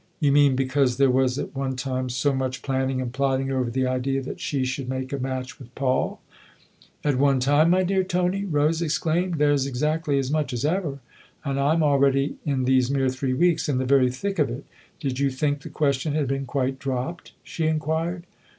"You mean because there was at one time so much planning and plotting over the idea that she should make a match with Paul ?"" At one time, my dear Tony ?" Rose exclaimed. " There's exactly as much as ever, and I'm already in these mere three weeks in the very thick of it ! Did you think the question had been quite dropped ?" she inquired.